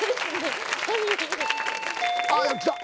あっ来た。